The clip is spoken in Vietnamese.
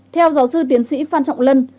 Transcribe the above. theo giáo sư tiến sĩ phan trọng lân